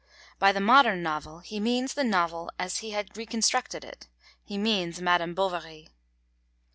By the modern novel he means the novel as he had reconstructed it; he means Madame Bovary.